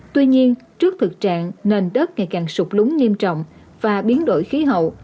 tuy nhiên trước thực trạng nền đất ngày càng sụp lúng nghiêm trọng và biến đổi khí hậu